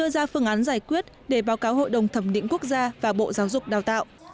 màn giải quyết để báo cáo hội đồng thẩm định quốc gia và bộ giáo dục đào tạo